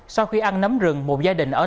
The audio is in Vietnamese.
sau khi ăn nấm rừng một gia đình ở hà nội